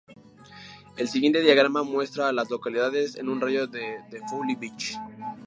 El siguiente diagrama muestra a las localidades en un radio de de Folly Beach.